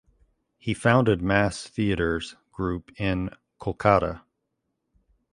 He founded Mass theaters group in Kolkata.